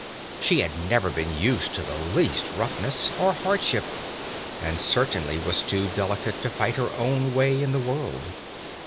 She had never been used to the least roughness or hardship, and certainly was too delicate to fight her own way in the world.